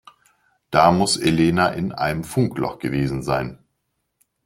Da muss Elena in einem Funkloch gewesen sein.